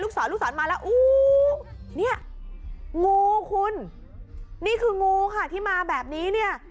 สอนลูกศรมาแล้วอู้เนี่ยงูคุณนี่คืองูค่ะที่มาแบบนี้เนี่ย